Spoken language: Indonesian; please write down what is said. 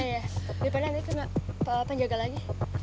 ya ya daripada nanti tuh gak panjang lagi